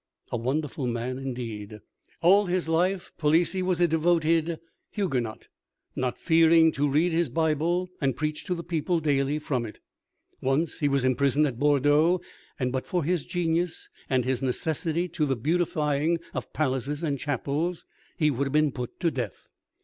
A wonderful man indeed! All his life Palissy was a devoted Huguenot, not fearing to read his Bible, and preach to the people daily from it. Once he was imprisoned at Bordeaux, and but for his genius, and his necessity to the beautifying of palaces and chapels, he would have been put to death.